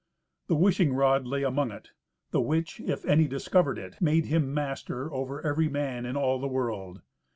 The wishing rod lay among it, the which, if any discovered it, made him master over every man in all the world.